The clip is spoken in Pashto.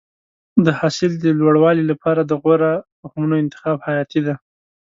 د حاصل د لوړوالي لپاره د غوره تخمونو انتخاب حیاتي دی.